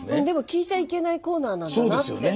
でも聞いちゃいけないコーナーなんだなって。